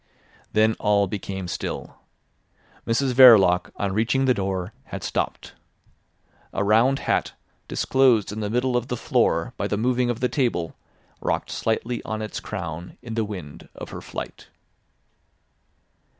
Then all became still. Mrs Verloc on reaching the door had stopped. A round hat disclosed in the middle of the floor by the moving of the table rocked slightly on its crown in the wind of her flight.